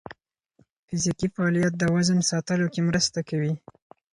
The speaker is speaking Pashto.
فزیکي فعالیت د وزن ساتلو کې مرسته کوي.